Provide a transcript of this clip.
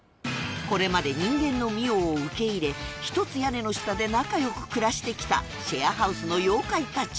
これまで人間の澪を受け入れひとつ屋根の下で仲良く暮らしてきたシェアハウスの妖怪たち